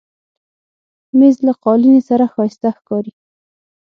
مېز له قالینې سره ښایسته ښکاري.